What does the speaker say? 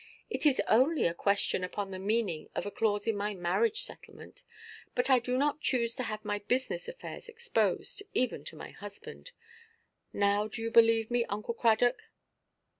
It is only a question upon the meaning of a clause in my marriage–settlement; but I do not choose to have my business affairs exposed, even to my husband. Now do you believe me, Uncle Cradock?"